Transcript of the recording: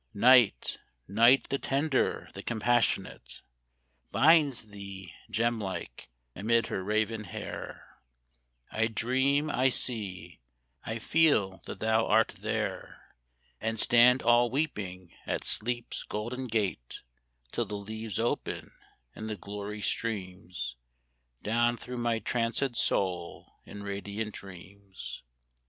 Night Night the tender, the compassionate, Binds thee, gem like, amid her raven hair; I dream I see I feel that thou art there And stand all weeping at Sleep's golden gate, Till the leaves open, and the glory streams Down through my trancèd soul in radiant dreams.